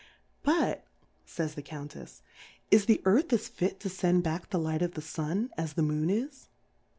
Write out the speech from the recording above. But, fays the Countefs^ is the Earth as fit to fend back the Light of the Sun as the Moon is